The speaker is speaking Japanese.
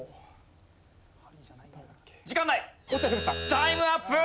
タイムアップ！